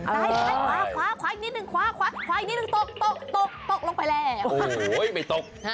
ตากล่าวกไปแล้วโอ้โฮไม่ตก